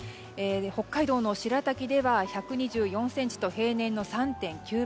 北海道の白滝では１２４ｃｍと平年の３．９倍。